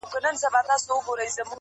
چي مطلب ته په رسېږي هغه وايي!!